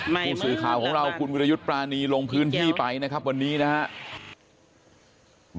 ผู้สื่อข่าวของเราคุณวิรยุทธ์ปรานีลงพื้นที่ไปนะครับวันนี้นะครับ